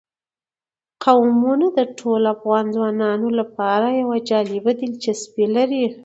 قومونه د ټولو افغان ځوانانو لپاره یوه جالبه دلچسپي لري.